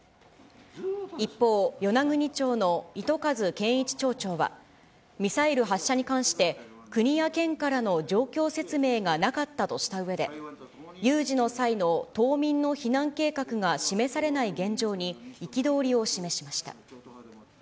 一方、与那国町の糸数健一町長は、ミサイル発射に関して、国や県からの状況説明がなかったとしたうえで、有事の際の島民の避難計画が示されない現状に憤りを示しました。